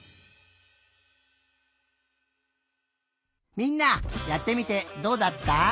みんなやってみてどうだった？